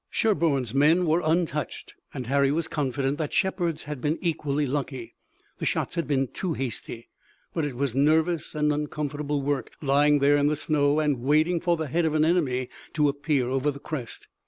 Sherburne's men were untouched and Harry was confident that Shepard's had been equally lucky the shots had been too hasty but it was nervous and uncomfortable work, lying there in the snow, and waiting for the head of an enemy to appear over the crest.